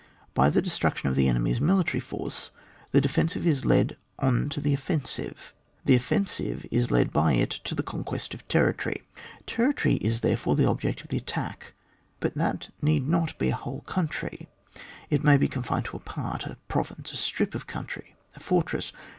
By the destruction of the enemy's military force, the defensive is led on to the offensive, the offensive is led by it to the conquest of territory. Territory is, therefore, the object of the attack ; but that need not be a whole country, it may be confined to a part, a province, a strip of country, a fortress.